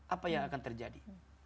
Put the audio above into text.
apa yang akan terjadi